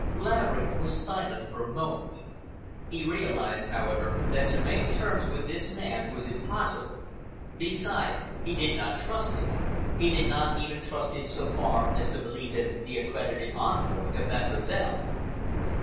Laverick was silent for a moment. He realized, however, that to make terms with this man was impossible. Besides, he did not trust him. He did not even trust him so far as to believe him the accredited envoy of Mademoiselle.